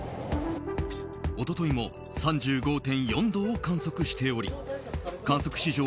一昨日も３５．４度を観測しており観測史上